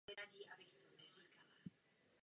Studovala na Fort Street High School v Sydney.